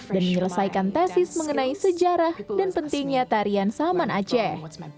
dan menyelesaikan tesis mengenai sejarah dan pentingnya tarian saman aceh